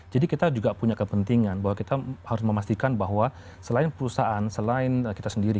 jadi kita juga punya kepentingan bahwa kita harus memastikan bahwa selain perusahaan selain kita sendiri